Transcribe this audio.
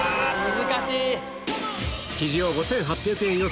難しい！